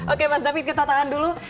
oke mas david kita tahan dulu